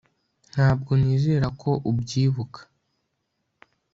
Ntabwo nizera ko ubyibuka